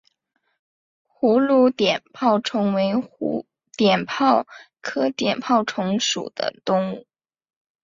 葫芦碘泡虫为碘泡科碘泡虫属的动物。